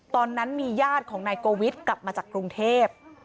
ตอนนั้นมีญาติของนายโกวิทย์กลับมาจากกรุงเทพ